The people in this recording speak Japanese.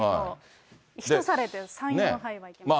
１皿で３、４杯はいけますね。